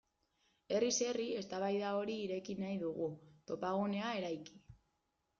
Herriz herri eztabaida hori ireki nahi dugu, topagunea eraiki.